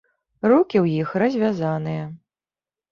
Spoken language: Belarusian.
Рукі ў іх развязаныя.